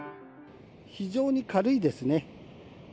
非常に軽いですね。